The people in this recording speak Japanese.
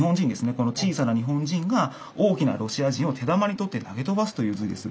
この小さな日本人が大きなロシア人を手玉に取って投げ飛ばすという図です。